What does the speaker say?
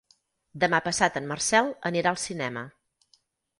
Demà passat en Marcel anirà al cinema.